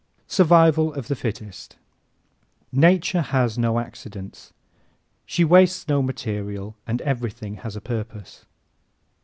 Survival of the Fittest ¶ Nature has no accidents, she wastes no material and everything has a purpose.